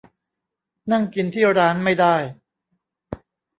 นั่งกินที่ร้านไม่ได้